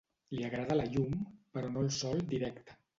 Li agrada la llum però no el sol directe.